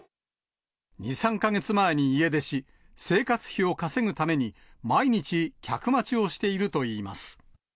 ２、３か月前に家出し、生活費を稼ぐために、毎日客待ちをしているといいます。